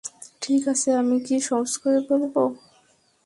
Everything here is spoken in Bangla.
ঠিক আছে আমি কি সহজ করে বলবো?